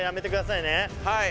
はい。